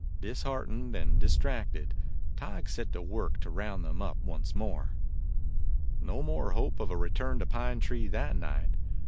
Disheartened and distracted, Tige set to work to round them up once more. No more hope of a return to Pine Tree that night.